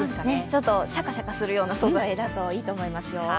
ちょっとシャカシャカするような素材だといいと思いますよ。